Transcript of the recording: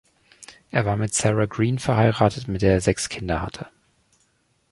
Er war mit Sarah Greene verheiratet, mit der er sechs Kinder hatte.